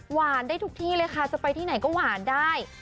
ได้ทุกที่เลยค่ะจะไปที่ไหนก็หวานได้